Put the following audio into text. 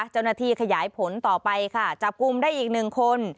เจ้าหน้าที่ขยายผลต่อไปค่ะจับกลุ่มได้อีกหนึ่งคน